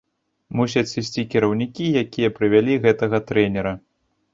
Мусяць сысці кіраўнікі, якія прывялі гэтага трэнера.